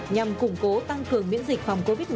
nhằm củng cố tăng cường miễn dịch phòng covid một mươi chín